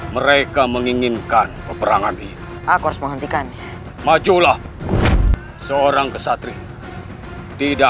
mereka menginginkan peperangan ini aku harus menghentikan majulah seorang kesatri tidak